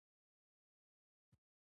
دا چې ولې بېله موضوع ده.